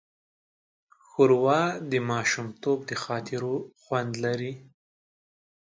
ښوروا د ماشومتوب د خاطرو خوند لري.